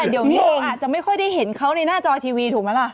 เดี๋ยวนี้เราอาจจะไม่ค่อยได้เห็นเขาในหน้าจอทีวีถูกไหมล่ะ